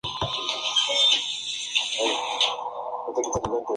Se realiza en el plano de la memoria o la imaginación.